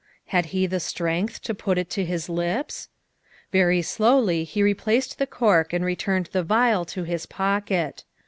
Had he the strength to put it to his lips? Very slowly he replaced the cork and returned the vial to his pocket.